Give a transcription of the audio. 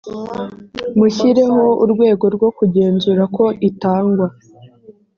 mushyireho urwego rwo kugenzura ko itangwa .